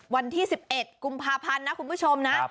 วันที่๑๑กุมภาพันธ์นะคุณผู้ชมนะ